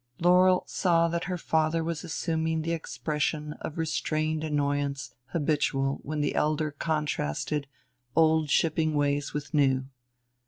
Laurel saw that her father was assuming the expression of restrained annoyance habitual when the elder contrasted old shipping ways with new.